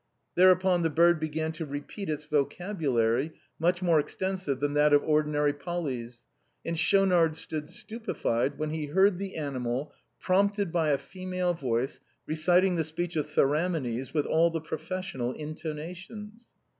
Thereupon the bird began to repeat its vocabulary, much more extensive than that of ordinary Follies; and Schau nard stood stupefied when he heard the animal, prompted by a female voice, reciting the speech of Theramenes with all the professional intonations.